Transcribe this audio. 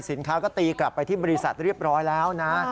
สินค้าก็ตีกลับไปที่บริษัทเรียบร้อยแล้วนะ